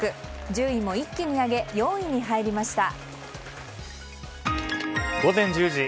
順位も一気に上げ４位に入りました。